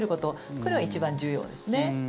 これが一番重要ですね。